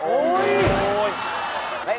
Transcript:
โอ๊ย